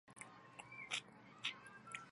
本列表为满洲国驻中华民国历任大使名录。